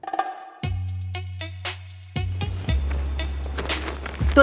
tapi kamu gak suka sama sobri